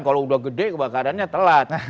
kalau udah gede kebakarannya telat